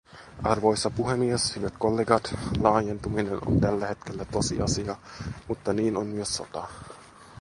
Arvoisa puhemies, hyvät kollegat, laajentuminen on tällä hetkellä tosiasia, mutta niin on myös sota.